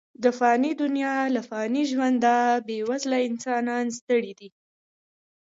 د فاني دنیا له فاني ژونده، بې وزله انسانان ستړي دي.